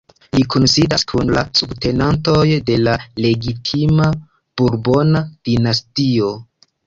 Li kunsidis kun la subtenantoj de la legitima burbona dinastio.